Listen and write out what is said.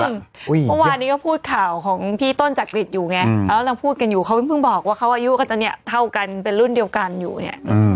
เมื่อวานนี้ก็พูดข่าวของพี่ต้นจักริตอยู่ไงเขากำลังพูดกันอยู่เขาเพิ่งบอกว่าเขาอายุก็จะเนี่ยเท่ากันเป็นรุ่นเดียวกันอยู่เนี่ย